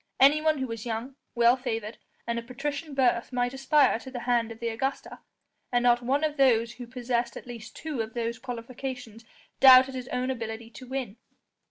Anyone who was young, well favoured, and of patrician birth might aspire to the hand of the Augusta, and not one of those who possessed at least two of those qualifications doubted his own ability to win.